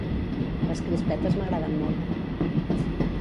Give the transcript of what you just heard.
Les crispetes m'agraden molt.